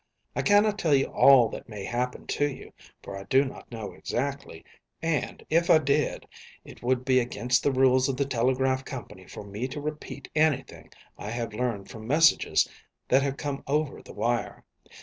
I cannot tell you all that may happen to you, for I do not know exactly, and, if I did, it would be against the rules of the telegraph company for me to repeat anything I have learned from messages that have come over the wire.